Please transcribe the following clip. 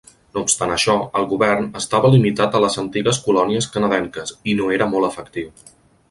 No obstant això, el govern estava limitat a les antigues colònies canadenques, i no era molt efectiu.